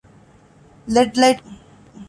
ލެޑް ލައިޓް ހޯދުން